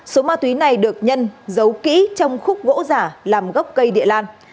số ma túy này được nhân giấu kỹ trong khúc gỗ giả làm gốc cây địa lan